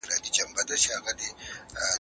د ګاونډیو اړیکې مهمې دي.